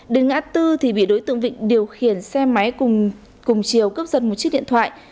đến ngã tư thì bị đối tượng vịnh điều khiển xe máy cùng chiều cướp giật một chiếc điện thoại